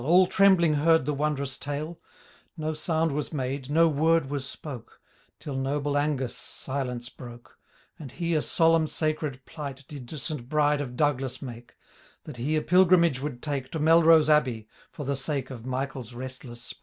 All trembling heard the wondrous tale ; No sound ^os made, no word was spoke. Till noble Angus silence broke ; And he a solemn sacred plight Did to St. Bride of Douglas make,' That he a pilgrimage would take To Melrobe Abbey, for the sake Of MichaePs restless sprite.